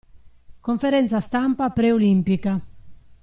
Conferenza stampa pre-olimpica.